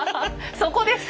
そこですか！